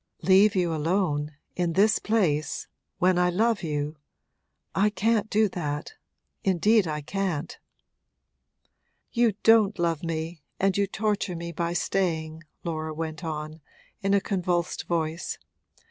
'Leave you alone in this place when I love you? I can't do that indeed I can't.' 'You don't love me and you torture me by staying!' Laura went on, in a convulsed voice.